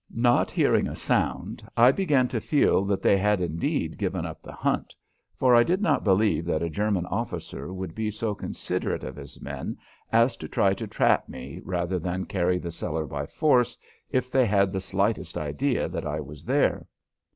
Not hearing a sound, I began to feel that they had indeed given up the hunt, for I did not believe that a German officer would be so considerate of his men as to try to trap me rather than carry the cellar by force if they had the slightest idea that I was there.